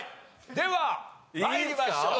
では参りましょう。